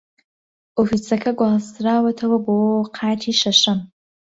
ئۆفیسەکە گواستراوەتەوە بۆ قاتی شەشەم.